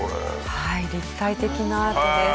はい立体的なアートです。